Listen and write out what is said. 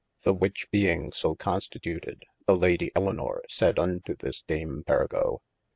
The which being so constituted, the Lady Elynor sayd unto this dame Pergo.